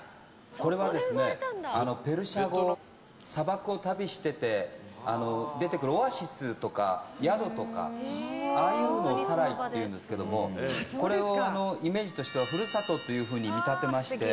これはペルシャ語、砂漠を旅してて、出てくるオアシスとか、宿とか、ああいうのをサライっていうんですけども、これをイメージとしては、ふるさとっていうふうに見立てまして。